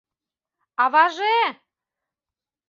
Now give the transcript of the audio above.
— Аваже!